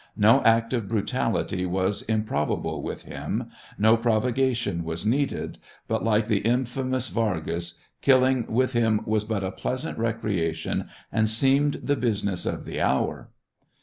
No act of brutality was improbable with him, no provocation was needed, but, like the infamous Vargas, killing with him was but a pleasant recreation, and seemed the business of the hour.